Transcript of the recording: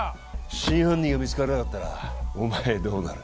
真犯人が見つからなかったらお前どうなる？